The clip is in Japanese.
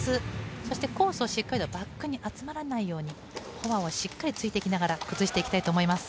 そして、コースがしっかりとバックに集まらないようにフォアをしっかりついていきながら崩していきたいと思います。